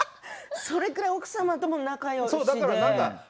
それくらい奥様とも仲よしで。